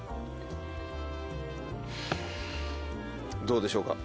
どうでしょうか？